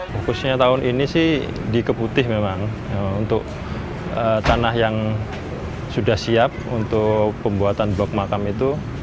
fokusnya tahun ini sih di keputih memang untuk tanah yang sudah siap untuk pembuatan blok makam itu